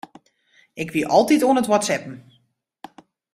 Ik wie altyd oan it whatsappen.